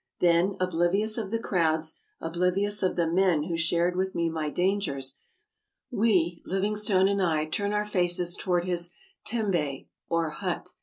Then, oblivious of the crowds, oblivious of the men who shared with me my dangers, we — Livingstone and I — turn our faces toward his tembe (or hut).